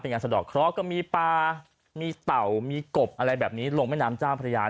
งานสะดอกเคราะห์ก็มีปลามีเต่ามีกบอะไรแบบนี้ลงแม่น้ำเจ้าพระยา